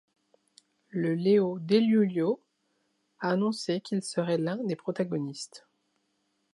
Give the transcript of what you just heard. Le Leo Deglulio a annoncé qu'il serait l'un des protagonistes.